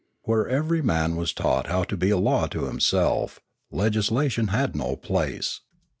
Where every man was taught to be a law to himself, legislation had no place.